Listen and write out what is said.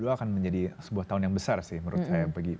dua ribu dua puluh dua akan menjadi sebuah tahun yang besar sih menurut saya